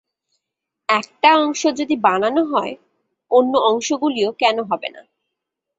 একটা অংশ যদি বানান হয়, অন্য অংশগুলিও কেন হবে না?